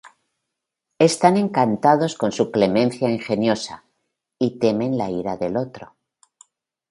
Están encantados con su clemencia ingeniosa y temen la ira del otro.".